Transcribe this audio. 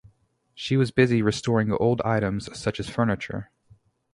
She was busy restoring old items such as furniture.